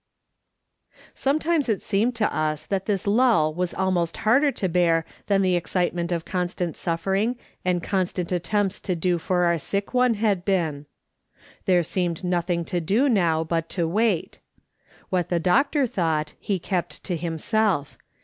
Sometimes it seemed to us that this lull w'as almost harder to bear than the excitement of constant suffer ing and constant attempts to do for our sick one had PVE FEARED, IVE HOPED, IVE TREMBLED. 175 been. There seemed nothing to do now but to wait. "What the doctor thought he kept to himself.